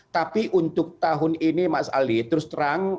tapi untuk tahun ini mas ali terus terang